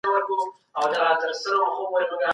ایا د کور په چاپیریال کي د ونو شتون د باران سبب ګرځي؟